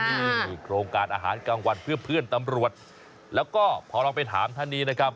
นี่โครงการอาหารกลางวันเพื่อเพื่อนตำรวจแล้วก็พอเราไปถามท่านนี้นะครับ